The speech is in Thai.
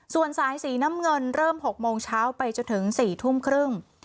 ส่วนสายสีน้ำเงินเริ่ม๖โมงเช้าไปจนถึง๔๓๐